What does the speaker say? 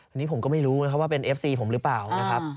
อันนี้ผมก็ไม่รู้นะครับว่าเป็นเอฟซีผมหรือเปล่านะครับ